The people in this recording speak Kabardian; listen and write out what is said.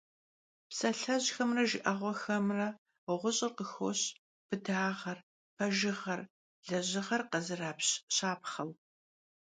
Psalhejxemre jjı'eğuexemre ğuş'ır khıxoş bıdağer, pejjığer, lejığer khızerapş şapxheu.